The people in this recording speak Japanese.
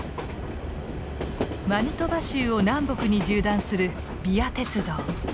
マニトバ州を南北に縦断するＶＩＡ鉄道。